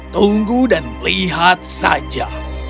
tunggu dan lihat saja